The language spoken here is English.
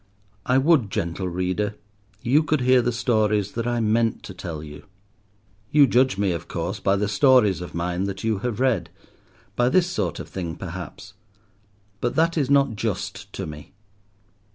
I would, gentle Reader, you could hear the stories that I meant to tell you. You judge me, of course, by the stories of mine that you have read—by this sort of thing, perhaps; but that is not just to me.